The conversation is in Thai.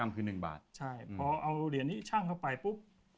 พอเอาเหรียญนี้ชั่งเข้าไปปุ๊บ